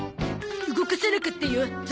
動かさなかったよ座布団。